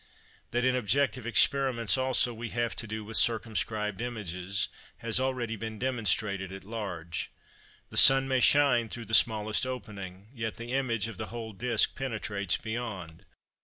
That in objective experiments also we have to do with circumscribed images, has been already demonstrated at large. The sun may shine through the smallest opening, yet the image of the whole disk penetrates beyond.